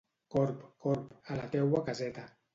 Corb, corb, a la teua caseta.